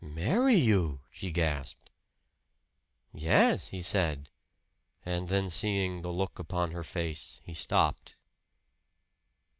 "Marry you!" she gasped. "Yes," he said; and then, seeing the look upon her face, he stopped.